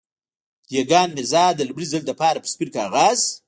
دېګان ميرزا د لومړي ځل لپاره پر سپين کاغذ.